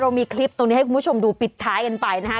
มีคลิปตรงนี้ให้คุณผู้ชมดูปิดท้ายกันไปนะฮะ